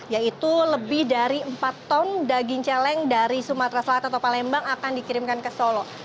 yaitu lebih dari empat ton daging celeng dari sumatera selatan atau palembang akan dikirimkan ke solo